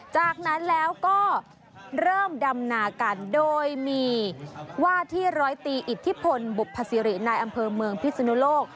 จากนั้นแล้วก็เริ่มดำนากันโดยมีว่าที่ร้อยตีอิทธิพลบุภสิรินายอำเภอเมืองพิศนุโลก